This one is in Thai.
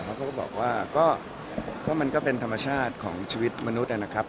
เขาก็บอกว่าก็มันก็เป็นธรรมชาติของชีวิตมนุษย์นะครับ